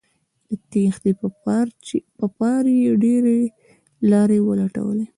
د تېښتې په پار یې ډیرې لارې ولټولې